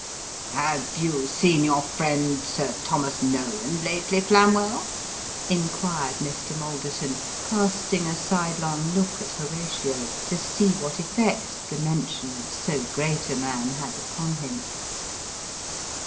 " Have you seen your friend, Sir Thomas Noland, lately, Flam well ?" inquired Mr. Malderton, casting a sidelong look at Horatio, to see what effect the mention of so great a man had upon him.